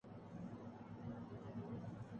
بہرحال کہاںوہ martial law اورکہاں جنرل ضیاء الحق کا۔